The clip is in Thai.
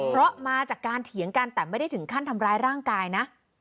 เพราะมาจากการเถียงกันแต่ไม่ได้ถึงขั้นทำร้ายร่างกายนะ